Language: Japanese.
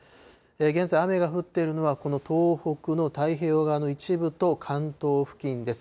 現在、雨が降っているのはこの東北の太平洋側の一部と、関東付近です。